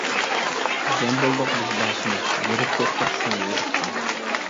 جەم بولدۇق بىز بەشىمىز، يۈرۈپ كەتتۇق شۇ يۇرتقا.